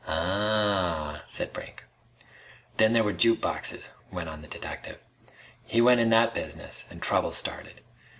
"Ah," said Brink. "Then there were juke boxes," went on the detective. "He went in that business an' trouble started.